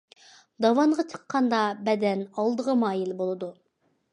داۋانغا چىققاندا بەدەن ئالدىغا مايىل بولىدۇ.